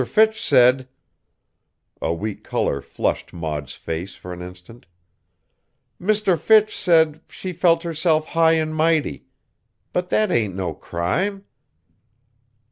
Fitch said," a weak color flushed Maud's face for an instant, "Mr. Fitch said she felt herself high an' mighty. But that ain't no crime."